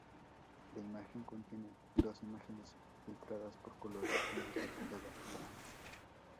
La imagen contiene dos imágenes filtradas por color, una para cada ojo.